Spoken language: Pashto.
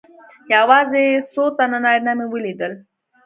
یوازې څو تنه نارینه مې ولیدل.